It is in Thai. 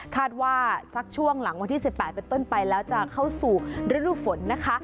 ว่าสักช่วงหลังวันที่๑๘เป็นต้นไปแล้วจะเข้าสู่ฤดูฝนนะคะ